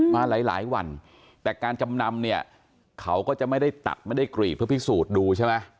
มาหลายวันแต่การจำนำเนี่ยเขาก็จะไม่ได้ตัดไม่ได้กรีดเพื่อพิสูจน์ดูใช่ไหม